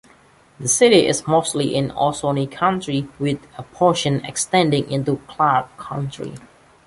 The city is mostly in Oconee County, with a portion extending into Clarke County.